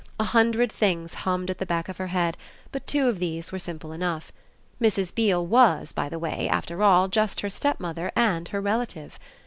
A hundred things hummed at the back of her head, but two of these were simple enough. Mrs. Beale was by the way, after all, just her stepmother and her relative.